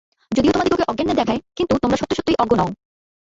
যদিও তোমাদিগকে অজ্ঞের ন্যায় দেখায়, কিন্তু তোমরা সত্য সত্যই অজ্ঞ নও।